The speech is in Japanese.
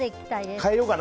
変えようかな。